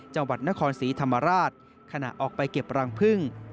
จังหวัดนครศรีธรรมราชขณะออกไปเก็บรังพึ่ง